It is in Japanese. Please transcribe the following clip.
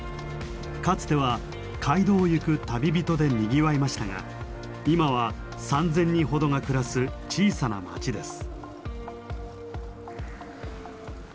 かつては街道を行く旅人でにぎわいましたが今は３，０００人ほどが暮らす小さな町です。